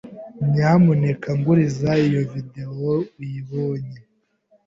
Nyamuneka nguriza iyo videwo uyibonye.